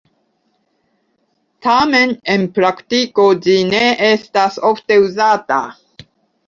Tamen, en praktiko ĝi ne estas ofte uzata.